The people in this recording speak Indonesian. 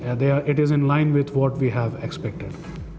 dan ini berkaitan dengan apa yang kami harapkan